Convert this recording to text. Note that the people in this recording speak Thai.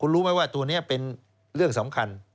รู้ไหมว่าตัวนี้เป็นเรื่องสำคัญ